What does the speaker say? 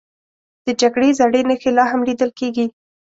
د جګړې زړې نښې لا هم لیدل کېږي.